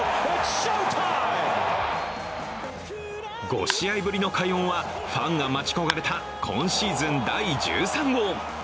５試合ぶりの快音はファンが待ち焦がれた今シーズン第１３号。